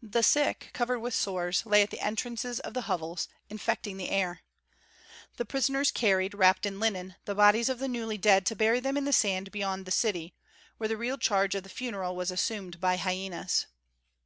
The sick, covered with sores, lay at the entrances of the hovels, infecting the air. The prisoners carried, wrapped in linen, the bodies of the newly dead to bury them in the sand beyond the city, where the real charge of the funeral was assumed by hyenas.